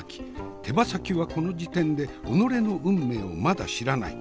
手羽先はこの時点で己の運命をまだ知らない。